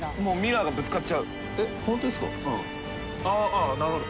あっなるほど。